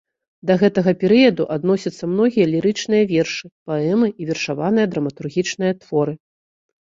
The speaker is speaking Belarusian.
Да гэтага перыяду адносяцца многія лірычныя вершы, паэмы і вершаваныя драматургічныя творы.